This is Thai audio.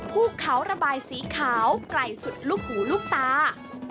ภูเขาระบายสีขาวไกลสุดลูกหูลูกตา